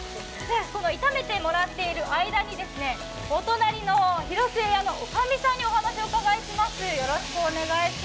炒めてもらってる間にお隣の廣末屋のおかみさんにお話を伺います。